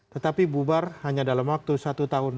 tetapi bubar hanya dalam waktu satu tahun